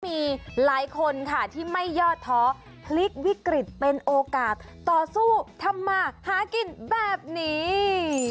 มีหลายคนค่ะที่ไม่ยอดท้อพลิกวิกฤตเป็นโอกาสต่อสู้ทำมาหากินแบบนี้